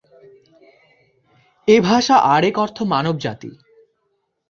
এ ভাষা আরেক অর্থ মানবজাতি।